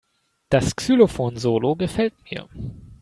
Das Xylophon-Solo gefällt mir.